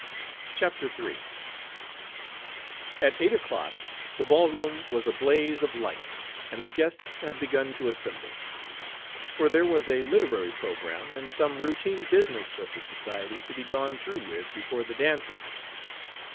III At eight o'clock the ballroom was a blaze of light and the guests had begun to assemble; for there was a literary programme and some routine business of the society to be gone through with before the dancing.